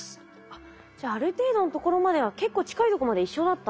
あっじゃあある程度のところまでは結構近いとこまで一緒だったんですね。